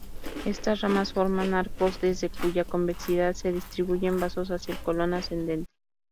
Estas ramas forman arcos, desde cuya convexidad se distribuyen vasos hacia el colon ascendente.